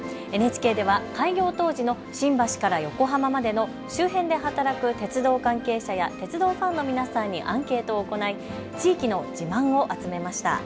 ＮＨＫでを開業当時の新橋から横浜までの周辺で働く鉄道関係者や鉄道ファンの皆さんにアンケートを行い地域の自慢を集めました。